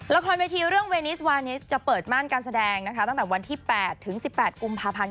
ละครเวทีเรื่องเวนิสวานิสจะเปิดม่านการแสดงนะคะตั้งแต่วันที่๘ถึง๑๘กุมภาพันธ์